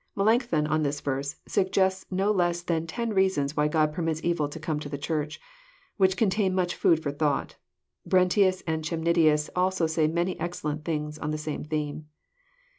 Mclancthon, on this verse, suggests no less than ten reasons why God permits evil to come on the Church, which contain much food for thought. Brentius and Chemnitius also say many excellent things on the same theme.